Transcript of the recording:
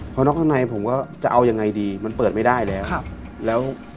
พอนอกข้างในผมก็จะเอายังไงดีมันเปิดไม่ได้แล้วแล้ว